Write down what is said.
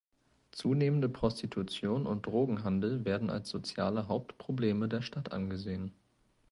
Zunehmende Prostitution und Drogenhandel werden als soziale Hauptprobleme der Stadt angesehen.